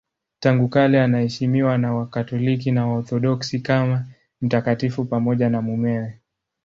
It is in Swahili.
Tangu kale anaheshimiwa na Wakatoliki na Waorthodoksi kama mtakatifu pamoja na mumewe.